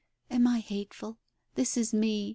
Am I hateful ? This is me !